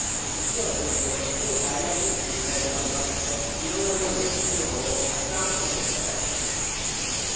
１年を通して手に入りやすい食材でもありますのでいろんな料理で、きのこをたくさん食べてください。